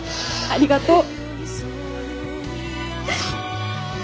ありがとう。